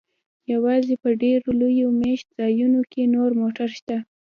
یوازې په ډیرو لویو میشت ځایونو کې نور موټر شته